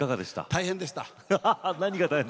大変でした。